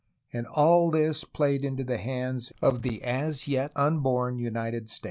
And all this played into the hands of the as yet unborn United States.